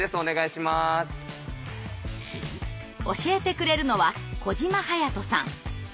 教えてくれるのは小島勇人さん。